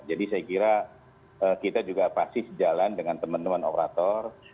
jadi saya kira kita juga pasti sejalan dengan teman teman operator